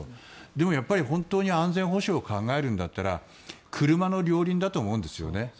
でも本当に安全保障を考えるんだったら車の両輪だと思うんですよね。